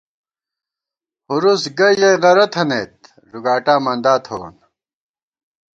ہُرُوس گہ ژَئی غرہ تھنَئیت ݫُگاٹا مندا تھووون